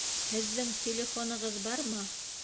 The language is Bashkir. Һеҙҙең телефонығыҙ бармы?